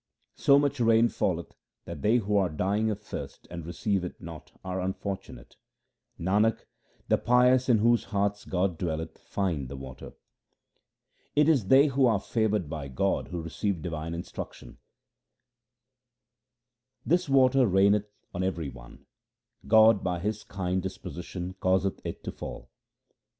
So much rain falleth that they who are dying of thirst and receive it not are unfortunate. Nanak, the pious in whose hearts God dwelleth find the water. It is they who are favoured by God who receive divine instruction :— This water raineth on every one ; God by His kind disposition causeth it to fall.